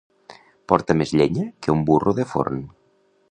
Portar més llenya que un burro de forn.